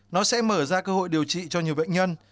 nó sẽ mở ra cơ hội điều trị cho nhiều bệnh nhân